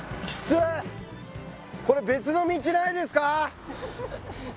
これ別の道ないですかー？